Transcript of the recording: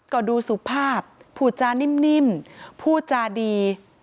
ก็ดูสุภาพพูดจานิ่มพูดจาดี